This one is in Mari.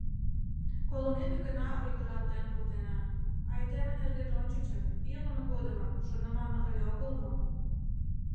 Колымеке гына ойгыралтен колтена, а айдеме нерген ончычак, илыме годымак, шоныман ыле огыл мо?